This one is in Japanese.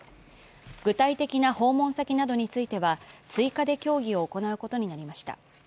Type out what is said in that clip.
具体的な訪問先などについては、追加で協議を行うことになりました。